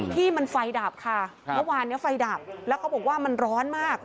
ที่มันไฟดับค่ะเมื่อวานนี้ไฟดับแล้วเขาบอกว่ามันร้อนมาก